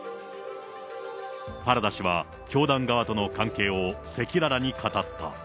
原田氏は教団側との関係を赤裸々に語った。